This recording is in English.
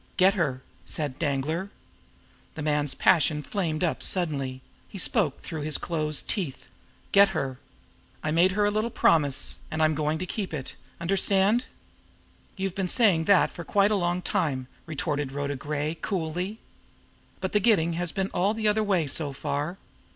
"Get her!" said Danglar. The man's passion flamed up suddenly; he spoke through his closed teeth. "Get her! I made her a little promise. I'm going to keep it! Understand?" "You've been saying that for quite a long time," retorted Rhoda Gray coolly. "But the 'getting' has been all the other way so far.